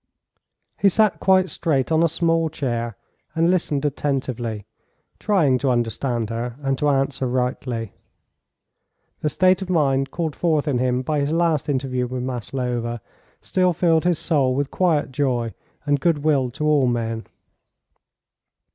He sat quite straight on a small chair, and listened attentively, trying to understand her and to answer rightly. The state of mind called forth in him by his last interview with Maslova still filled his soul with quiet joy and good will to all men.